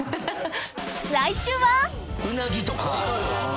［来週は］